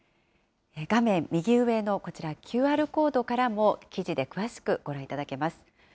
画面右上のこちら、ＱＲコードからも記事で詳しくご覧いただけます。